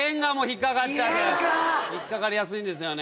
引っ掛かりやすいんですよ。